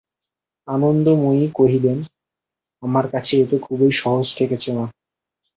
আনন্দময়ী কহিলেন, আমার কাছে এ তো খুবই সহজ ঠেকছে মা!